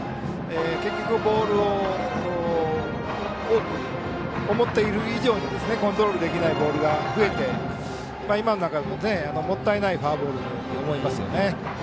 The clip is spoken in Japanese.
結局ボールが、思っている以上にコントロールできないボールが増えてて今なんかも、もったいないフォアボールだと思います。